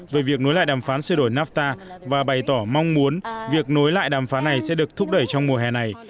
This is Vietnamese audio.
về việc nối lại đàm phán sơ đổi nafta và bày tỏ mong muốn việc nối lại đàm phán này sẽ được thúc đẩy trong mùa hè này